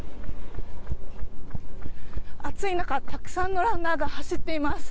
暑い中、たくさんのランナーが走っています。